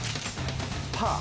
パー？